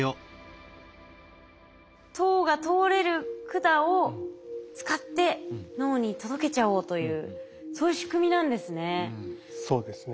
糖が通れる管を使って脳に届けちゃおうというそういう仕組みなんですね。